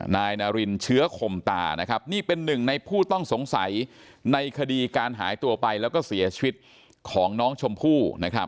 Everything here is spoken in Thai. นายนารินเชื้อคมตานะครับนี่เป็นหนึ่งในผู้ต้องสงสัยในคดีการหายตัวไปแล้วก็เสียชีวิตของน้องชมพู่